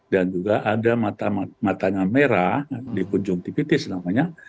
dan juga ada matanya merah di kunjung tipitis namanya